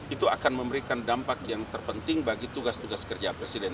itu akan memberikan dampak yang terpenting bagi tugas tugas kerja presiden